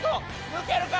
抜けるか？